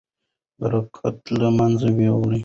برکت له منځه وړي.